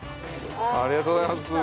ありがとうございます。